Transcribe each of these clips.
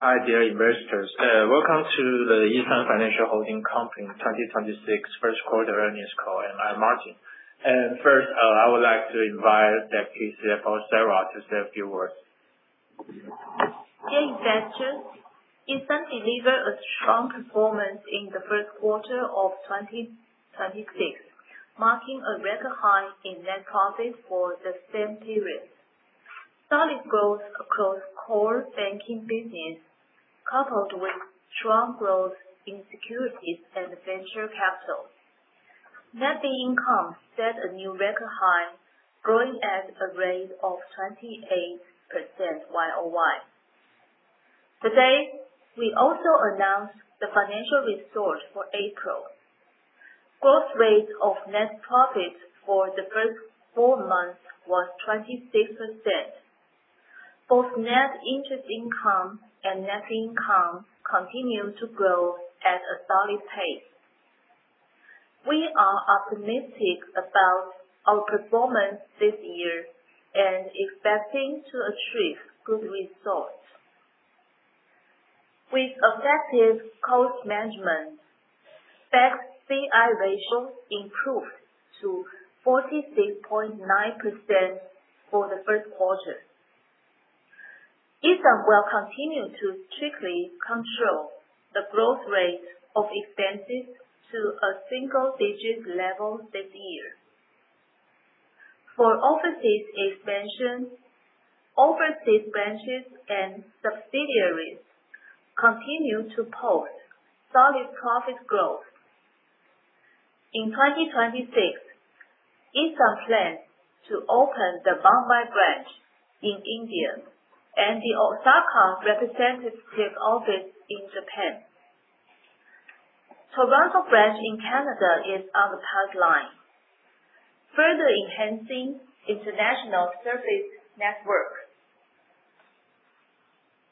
Hi, dear investors. Welcome to the E.SUN Financial Holding Company 2026 first quarter earnings call. I'm Martin. First, I would like to invite Deputy CFO, Sarah, to say a few words. Hey, investors. E.SUN delivered a strong performance in the first quarter of 2026, marking a record high in net profit for the same period. Solid growth across core banking business, coupled with strong growth in securities and venture capital. Net income set a new record high, growing at a rate of 28% Y-o-Y. Today, we also announced the financial results for April. Growth rate of net profit for the first four months was 26%. Both net interest income and net income continue to grow at a solid pace. We are optimistic about our performance this year and expecting to achieve good results. With effective cost management, C/I ratio improved to 46.9% for the first quarter. E.SUN will continue to strictly control the growth rate of expenses to a single-digit level this year. For overseas expansion, overseas branches and subsidiaries continue to post solid profit growth. In 2026, E.SUN plans to open the Mumbai branch in India and the Osaka representative office in Japan. Toronto branch in Canada is on the pipeline, further enhancing international service network.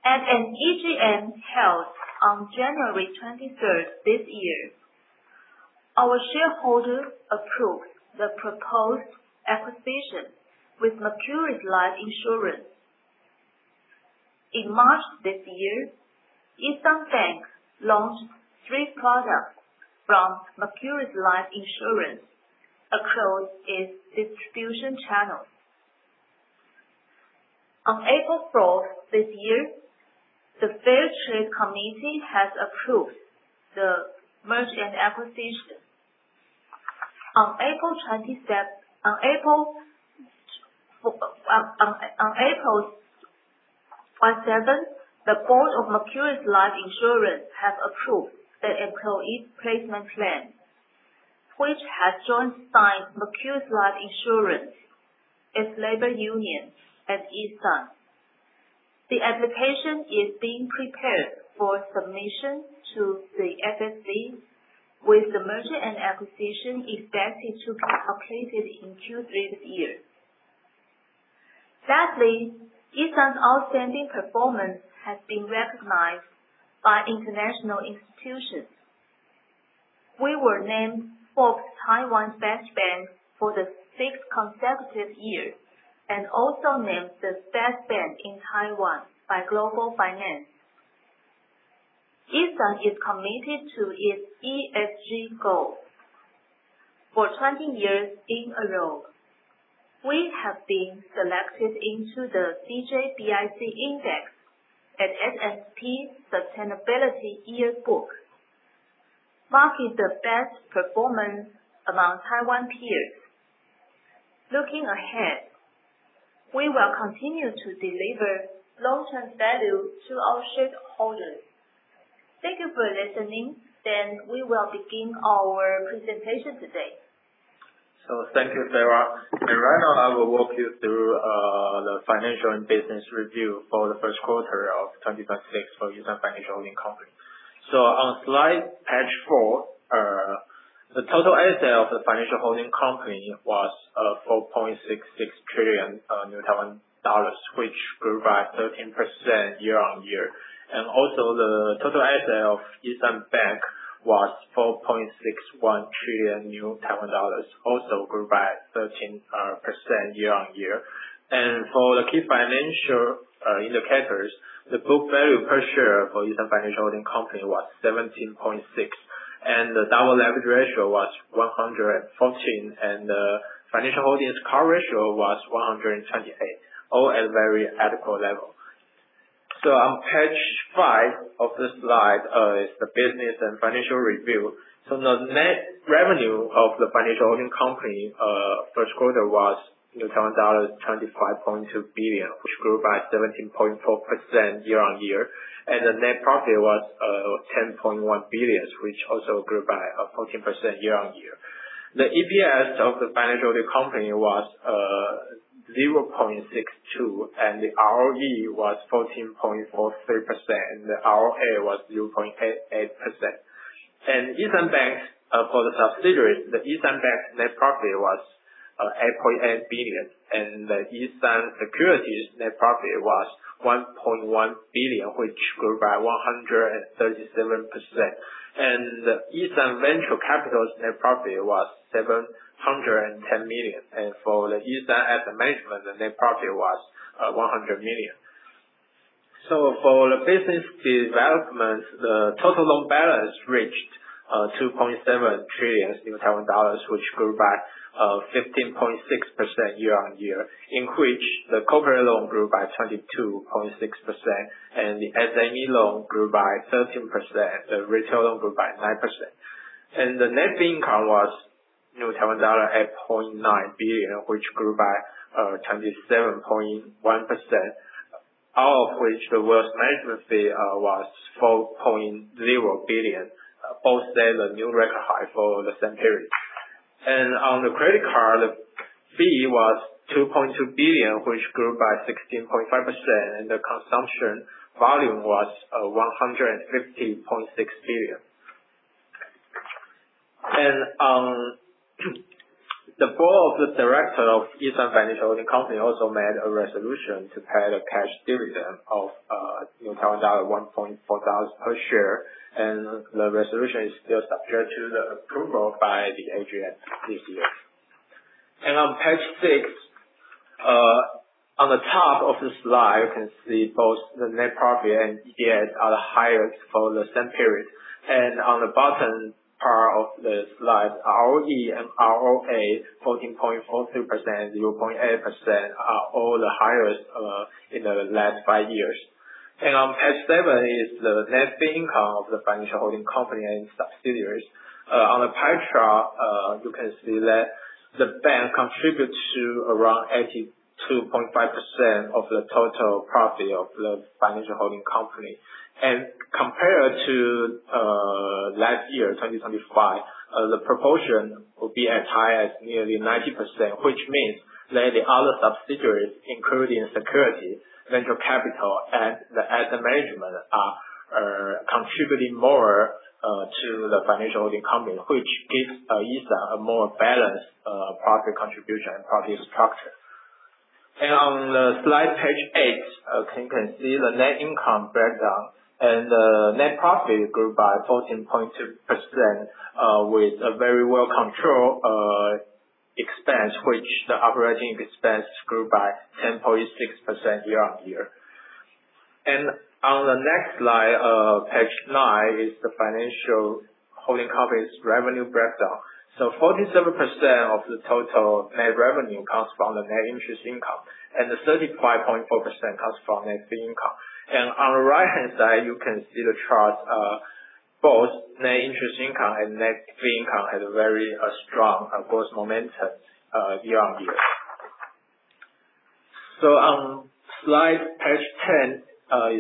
At an EGM held on January 23 this year, our shareholders approved the proposed acquisition with Mercuries Life Insurance. In March this year, E.SUN Bank launched three products from Mercuries Life Insurance across its distribution channels. On April 4 this year, the Fair Trade Commission has approved the merger acquisition. On April 27, the board of Mercuries Life Insurance have approved the employee placement plan, which has joint signed Mercuries Life Insurance, its labor union, and E.SUN. The application is being prepared for submission to the FSC with the merger and acquisition expected to be completed in Q3 this year. Lastly, E.SUN's outstanding performance has been recognized by international institutions. We were named Forbes Taiwan Best Bank for the sixth consecutive year and also named the Best Bank in Taiwan by Global Finance. E.SUN is committed to its ESG goals. For 20 years in a row, we have been selected into the DJSI index at S&P Sustainability Yearbook, marking the best performance among Taiwan peers. Looking ahead, we will continue to deliver long-term value to our shareholders. Thank you for listening. We will begin our presentation today. Thank you, Sarah. Right now I will walk you through the financial and business review for the first quarter of 2026 for E.SUN Financial Holding Company. On slide page 4, the total asset of the financial holding company was 4.66 trillion, which grew by 13% year-on-year. Also the total asset of E.SUN Bank was 4.61 trillion, also grew by 13% year-on-year. For the key financial indicators, the book value per share for E.SUN Financial Holding Company was 17.6, the double leverage ratio was 114, and the financial holdings cover ratio was 128, all at very adequate level. On page 5 of the slide is the business and financial review. The net revenue of the financial holding company, first quarter was Taiwan dollar 25.2 billion, which grew by 17.4% year-on-year. The net profit was 10.1 billion, which also grew by 14% year-on-year. The EPS of the financial holding company was 0.62, the ROE was 14.43%, and the ROA was 0.88%. E.SUN Bank, for the subsidiaries, the E.SUN Bank net profit was 8.8 billion, the E.SUN Securities net profit was 1.1 billion, which grew by 137%. E.SUN Venture Capital's net profit was 710 million. For the E.SUN Asset Management, the net profit was 100 million. For the business developments, the total loan balance reached 2.7 trillion Taiwan dollars, which grew by 15.6% year-on-year, in which the corporate loan grew by 22.6%, the SME loan grew by 13%, the retail loan grew by 9%. The net fee income was Taiwan dollar 8.9 billion, which grew by 27.1%, all of which the wealth management fee was 4.0 billion, both set a new record high for the same period. On the credit card, the fee was 2.2 billion, which grew by 16.5%, and the consumption volume was 150.6 billion. The board of the director of E.SUN Financial Holding Company also made a resolution to pay the cash dividend of 1.4 thousand dollars per share, and the resolution is still subject to the approval by the AGM this year. On page 6, on the top of the slide, you can see both the net profit and EPS are the highest for the same period. On the bottom part of the slide, ROE and ROA 14.43%, 0.8% are all the highest in the last five years. On page 7 is the net fee income of the financial holding company and subsidiaries. On the pie chart, you can see that the bank contributes to around 82.5% of the total profit of the financial holding company. Compared to last year, 2025, the proportion will be as high as nearly 90%, which means that the other subsidiaries, including E.SUN Securities, E.SUN Venture Capital, and E.SUN Asset Management, are contributing more to the financial holding company, which gives E.SUN a more balanced profit contribution and profit structure. On the slide page 8, you can see the net income breakdown, the net profit grew by 14.2% with a very well controlled expense, which the operating expense grew by 10.6% year-on-year. On the next slide, page 9, is the financial holding company's revenue breakdown. 47% of the total net revenue comes from the net interest income, 35.4% comes from net fee income. On the right-hand side, you can see the charts of both net interest income and net fee income had a very strong growth momentum year-on-year. On slide page 10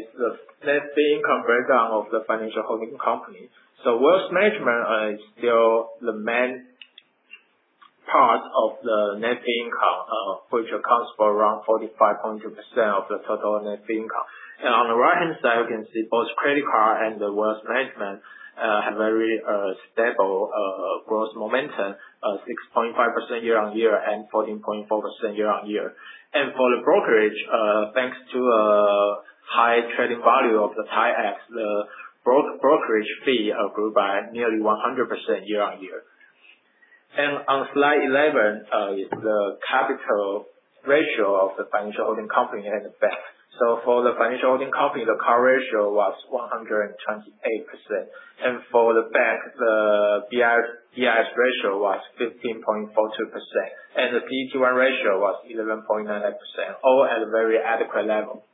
is the net fee income breakdown of the financial holding company. Wealth management is still the main part of the net fee income, which accounts for around 45.2% of the total net fee income. On the right-hand side, you can see both credit card and wealth management have very stable growth momentum, 6.5% year-on-year and 14.4% year-on-year. For the brokerage, thanks to high trading value of the TAIEX, the brokerage fee grew by nearly 100% year-on-year. On slide 11 is the capital ratio of the financial holding company and the bank. For the financial holding company, the core ratio was 128%. For the bank, the BIS ratio was 15.42%, and the CET1 ratio was 11.99%, all at a very adequate level.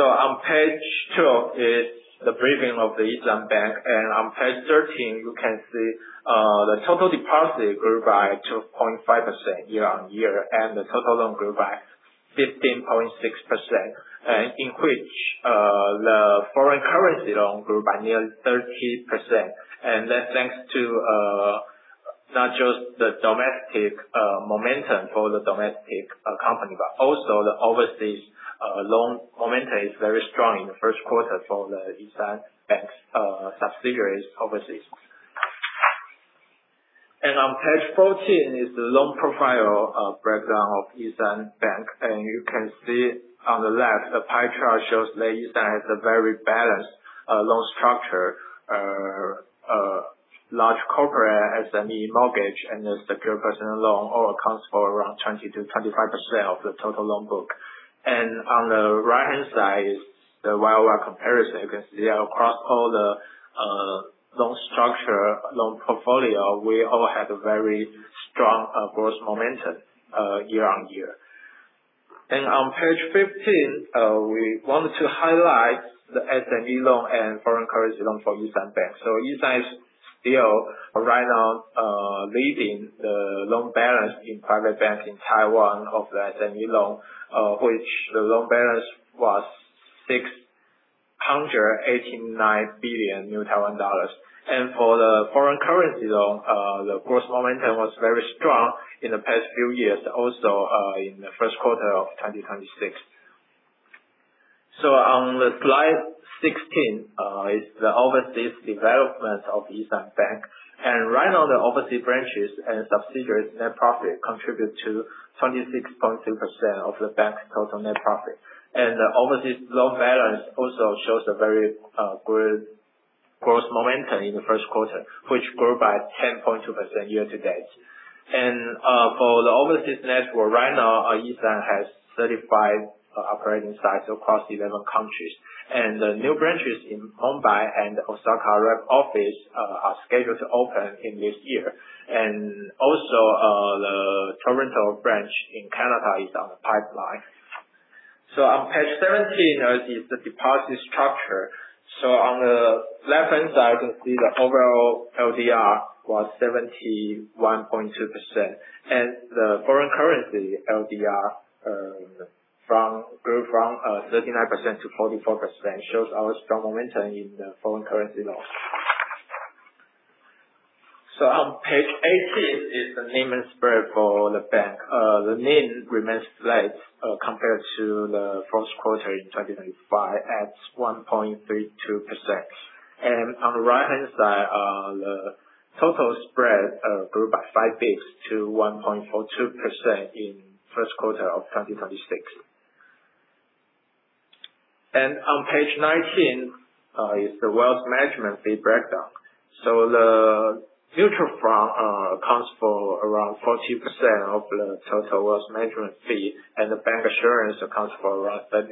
On page 12 is the briefing of the E.SUN Bank, and on page 13, you can see the total deposit grew by 2.5% year-on-year, and the total loan grew by 15.6%, in which the foreign currency loan grew by nearly 30%. That's thanks to not just the domestic momentum for the domestic company, but also the overseas loan momentum is very strong in the first quarter for the E.SUN Bank subsidiaries overseas. On page 14 is the loan profile breakdown of E.SUN Bank, and you can see on the left, the pie chart shows that E.SUN has a very balanced loan structure. Large corporate, SME, mortgage, and secured personal loan all accounts for around 20%-25% of the total loan book. On the right-hand side is the year-over-year comparison. You can see across all the loan structure, loan portfolio, we all had a very strong growth momentum year-on-year. On page 15, we want to highlight the SME loan and foreign currency loan for E.SUN Bank. E.SUN is still right now leading the loan balance in private banks in Taiwan of the SME loan, which the loan balance was 689 billion. For the foreign currency loan, the growth momentum was very strong in the past few years, also in the first quarter of 2026. On slide 16 is the overseas development of E.SUN Bank. Right now, the overseas branches and subsidiaries net profit contribute to 26.2% of the bank's total net profit. The overseas loan balance also shows a very good growth momentum in the first quarter, which grew by 10.2% year-to-date. For the overseas network, right now, E.SUN has 35 operating sites across 11 countries. The new branches in Mumbai and Osaka rep office are scheduled to open in this year. The Toronto branch in Canada is on the pipeline. On page 17 is the deposit structure. On the left-hand side, you can see the overall LDR was 71.2%. The foreign currency LDR grew from 39%-44%, shows our strong momentum in the foreign currency loans. On page 18 is the NIM and spread for the bank. The NIM remains flat compared to the first quarter in 2025, at 1.32%. On the right-hand side, the total spread grew by 5 basis points to 1.42% in the first quarter of 2026. On page 19 is the wealth management fee breakdown. The mutual fund accounts for around 40% of the total wealth management fee, and the bancassurance accounts for around 33%.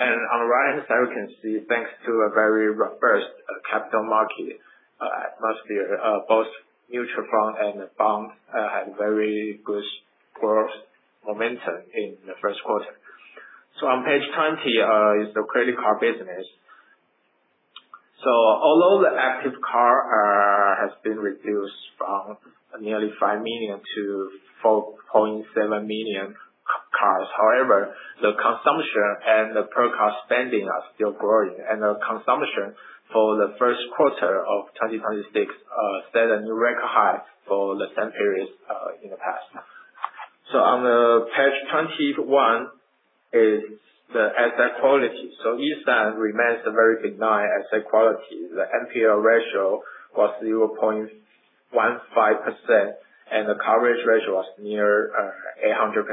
On the right-hand side, you can see, thanks to a very reversed capital market atmosphere, both mutual fund and the bank had very good growth momentum in the first quarter. On page 20 is the credit card business. Although the active card has been reduced from nearly 5 million to 4.7 million cards, however, the consumption and the per-card spending are still growing. The consumption for the first quarter of 2026 set a new record high for the same period in the past. On page 21 is the asset quality. E.SUN remains a very benign asset quality. The NPL ratio was 0.15%, and the coverage ratio was near 800%.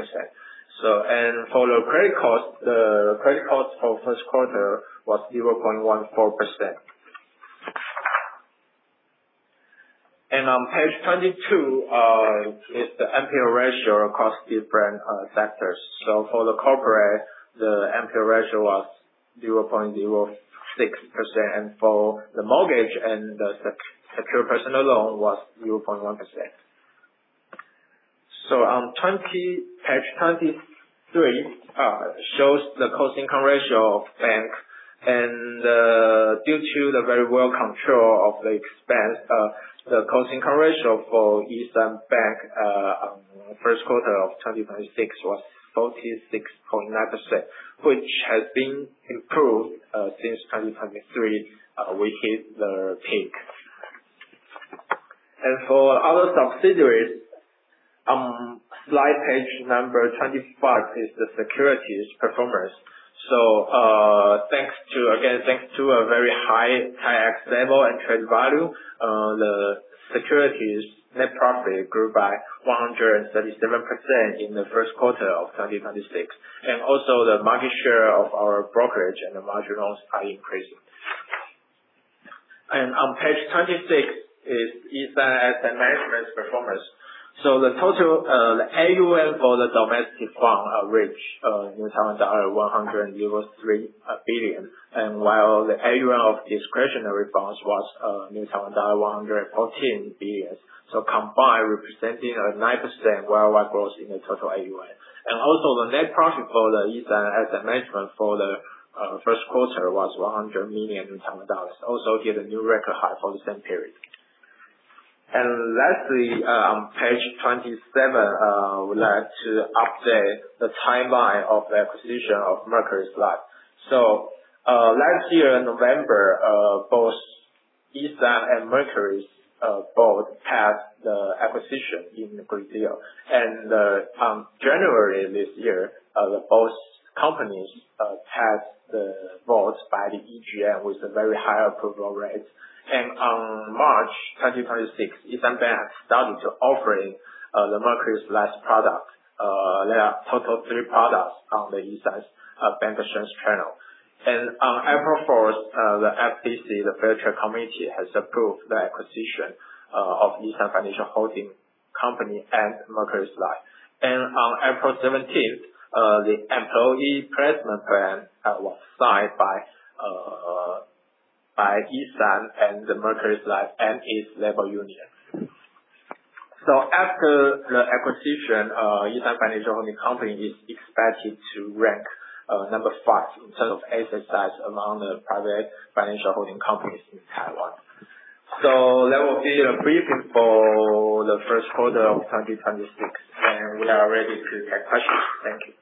For the credit cost, the credit cost for the first quarter was 0.14%. On page 22 is the NPL ratio across different sectors. For the corporate, the NPL ratio was 0.06%, and for the mortgage and the secured personal loan was 0.1%. On page 23 shows the cost income ratio of bank. Due to the very well control of the expense, the cost income ratio for E.SUN Bank on the first quarter of 2026 was 46.9%, which has been improved since 2023, which is the peak. For our subsidiaries, on slide page number 25 is the securities performance. Again, thanks to a very high tax level and trade value, the securities net profit grew by 137% in the first quarter of 2026. Also, the market share of our brokerage and the margin also are increasing. On page 26 is E.SUN Asset Management's performance. The total AUM for the domestic fund reached Taiwan dollar 103 billion, while the AUM of discretionary funds was Taiwan dollar 114 billion. Combined, representing a 9% year-on-year growth in the total AUM. Also, the net profit for the E.SUN Asset Management for the first quarter was 100 million dollars. Also hit a new record high for the same period. Lastly, on page 27, we'd like to update the timeline of the acquisition of Mercuries Life. Last year in November, both E.SUN and Mercuries both had the acquisition in the agreed deal. On January this year, both companies had the votes by the EGM with a very high approval rate. On March 2026, E.SUN Bank started offering the Mercuries Life product. There are total of three products on the E.SUN's bancassurance channel. On April 4th, the FSC, the Financial Supervisory Commission, has approved the acquisition of E.SUN Financial Holding Company and Mercuries Life. On April 17th, the employee placement plan was signed by E.SUN and the Mercuries Life and its labor union. After the acquisition, E.SUN Financial Holding Company is expected to rank number 5 in terms of asset size among the private financial holding companies in Taiwan. That will be a briefing for the first quarter of 2026, and we are ready to take questions. Thank you.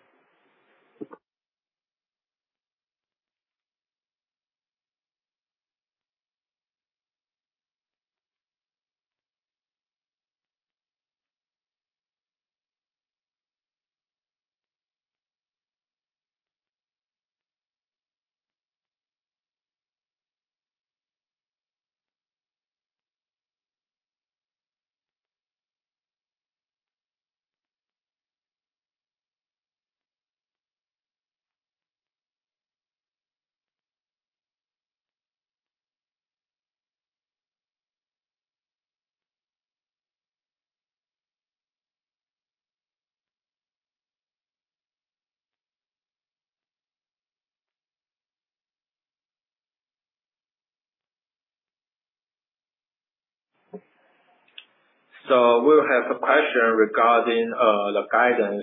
We have a question regarding the guidance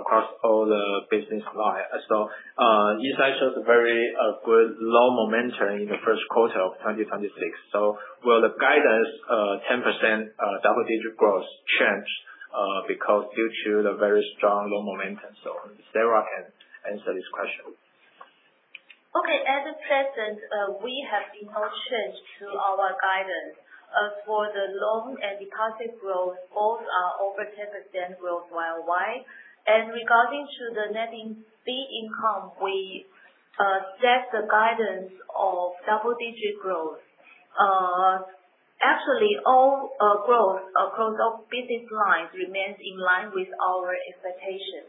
across all the business lines. Yixia shows a very good loan momentum in the first quarter of 2026. Will the guidance 10% double-digit growth change because due to the very strong loan momentum? Sarah can answer this question. Okay. At present, we have not changed to our guidance. For the loan and deposit growth, both are over 10% growth year-over-year. Regarding to the net fee income, we set the guidance of double-digit growth. Actually, all growth across all business lines remains in line with our expectations.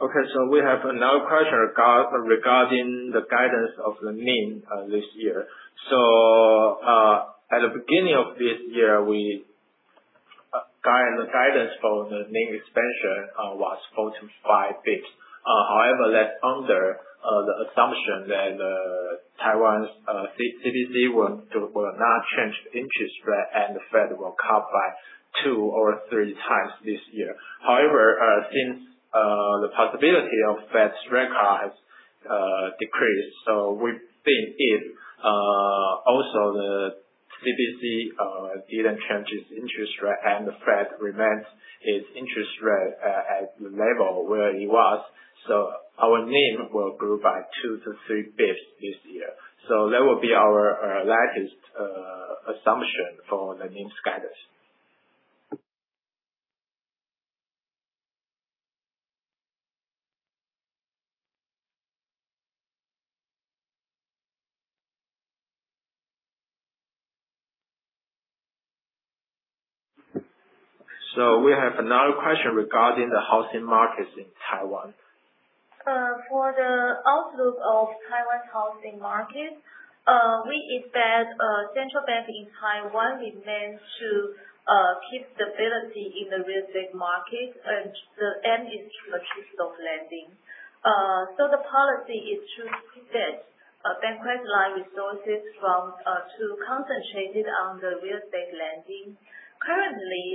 Okay, we have another question regarding the guidance of the NIM this year. At the beginning of this year, the guidance for the NIM expansion was 45 basis points. However, that's under the assumption that Taiwan's CBC will not change the interest rate and the Fed will cut by two or three times this year. However, since the possibility of Fed's rate cut has decreased, we think if also the CBC didn't change its interest rate and the Fed remains its interest rate at the level where it was, our NIM will grow by two to three basis points this year. That will be our latest assumption for the NIM guidance. We have another question regarding the housing markets in Taiwan. For the outlook of Taiwan's housing market, we expect Central Bank in Taiwan remains to keep stability in the real estate market, and the end is through a twist of lending. The policy is to shift banking line resources to concentrate it on the real estate lending. Currently,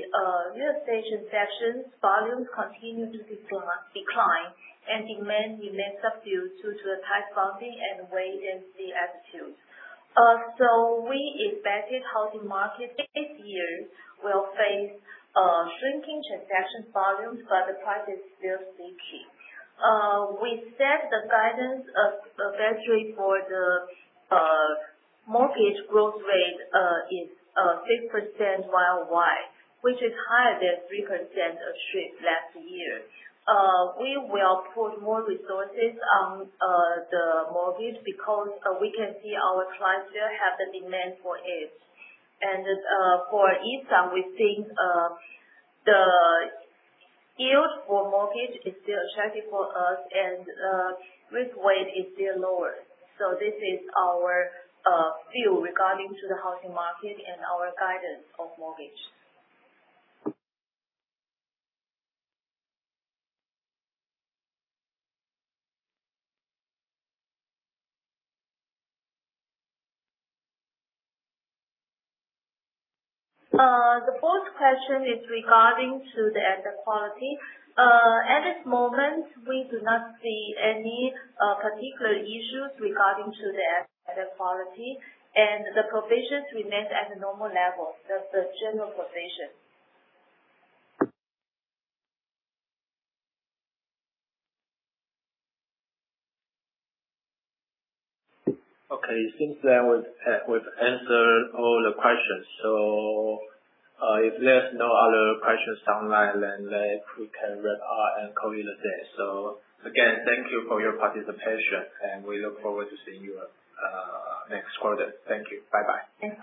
real estate transactions volume continue to decline, and demand remains subdued due to tight funding and wait-and-see attitude. We expected housing market this year will face shrinking transaction volumes, but the price is still sticky. We set the guidance of the best rate for the mortgage growth rate is 6% year-over-year, which is higher than 3% of shift last year. We will put more resources on the mortgage because we can see our clients still have the demand for it. For Yixia, we think the yield for mortgage is still attractive for us and risk weight is still lower. This is our view regarding to the housing market and our guidance of mortgage. The fourth question is regarding to the asset quality. At this moment, we do not see any particular issues regarding to the asset quality, and the provisions remain at a normal level, that's the general provision. Since then we've answered all the questions. If there's no other questions online, we can wrap up and call it a day. Again, thank you for your participation, and we look forward to seeing you next quarter. Thank you. Bye bye. Thanks. Bye.